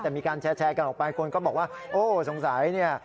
แต่มีการแชร์กันออกไปคนก็บอกว่าโอ้สงสัยเนี่ย